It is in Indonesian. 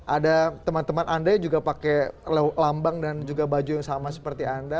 ada teman teman anda yang juga pakai lambang dan juga baju yang sama seperti anda